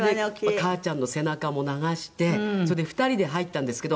母ちゃんの背中も流してそれで２人で入ったんですけど。